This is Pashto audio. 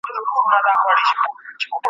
غټ ښنګوري یې پر ځای وه د منګولو